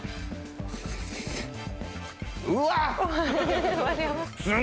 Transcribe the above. うわっ！